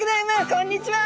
こんにちは！